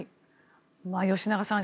吉永さん